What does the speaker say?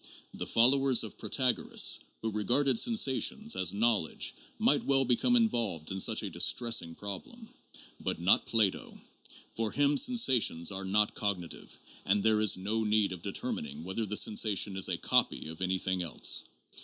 The followers of Protagoras who regarded sensations as knowledge might well be come involved in such a distressing problem. But not Plato. For him sensations are not cognitive, and there is no need of determining whether the sensation is a "copy" of anything else.